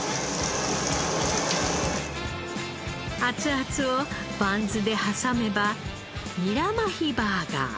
熱々をバンズで挟めばニラマヒバーガー。